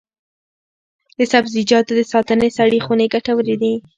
د سبزیجاتو د ساتنې سړې خونې ګټورې دي.